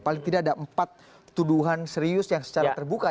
paling tidak ada empat tuduhan serius yang secara terbuka